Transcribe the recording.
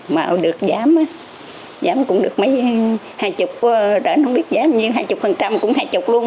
mà được giám giám cũng được mấy hai chục rảnh không biết giám nhưng hai chục phần trăm cũng hai chục luôn